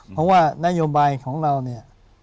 เพราะว่านโยบายของเราเนี่ย